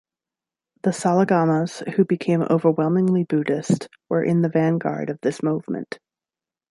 The Salagamas, who became overwhelmingly Buddhist, were in the vanguard of this movement.